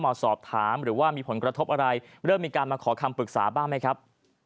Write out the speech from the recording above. มาสอบถามหรือว่ามีผลกระทบอะไรเริ่มมีการมาขอคำปรึกษาบ้างไหมครับ